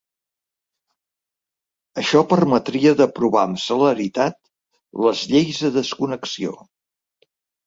Això permetria d’aprovar amb celeritat les lleis de desconnexió.